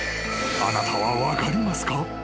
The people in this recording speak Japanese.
あなたは分かりますか？］